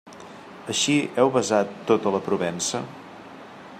Així, ¿heu besat tota la Provença?